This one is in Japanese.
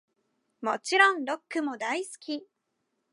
もちろんロックも大好き♡